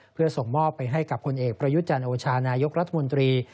เพื่อส่งมอบไปให้กับคนเอกประยุจันทร์โอชานายกรัฐมนตรี